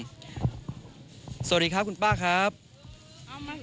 ก่อนนะครับว่ามีสินค้าอะไรมาบ้างนะครับวันนี้อาหารค่อนข้างหนาวเย็นมากมากนะครับ